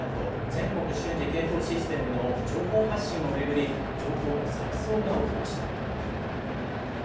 ・全国瞬時警報システムの情報発信を巡り、情報の錯そうが起きました。